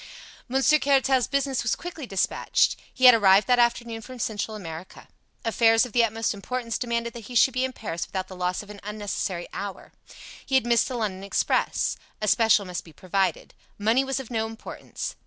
Monsieur Caratal's business was quickly dispatched. He had arrived that afternoon from Central America. Affairs of the utmost importance demanded that he should be in Paris without the loss of an unnecessary hour. He had missed the London express. A special must be provided. Money was of no importance.